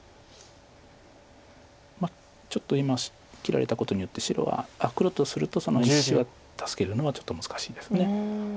ちょっと今切られたことによって黒とするとその１子は助けるのはちょっと難しいです。